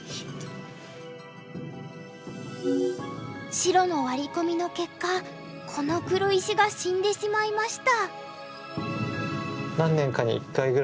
白のワリコミの結果この黒石が死んでしまいました。